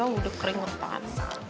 udah kering urutan